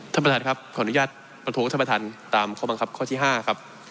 ท่านประธานครับขออนุญาตประท้วงท่านประธานตามข้อบังคับข้อที่๕ครับ